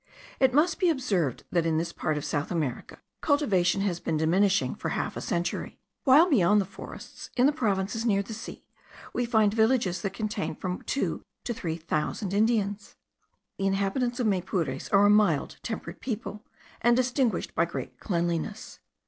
It must be observed that in this part of South America cultivation has been diminishing for half a century, while beyond the forests, in the provinces near the sea, we find villages that contain from two or three thousand Indians. The inhabitants of Maypures are a mild, temperate people, and distinguished by great cleanliness.